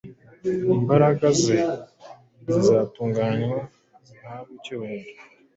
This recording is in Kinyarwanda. imbaraga ze zizatunganywa, zihabwe icyubahiro,